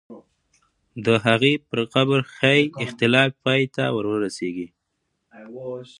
د هغې پر قبر ښایي اختلاف پای ته ورسېږي.